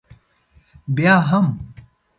بیا هم.